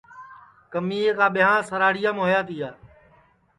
کمیے کا ٻیاں سراہڑیام ہویا تیا